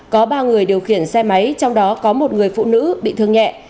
có ba người điều khiển xe máy trong đó có một người phụ nữ bị thương nhẹ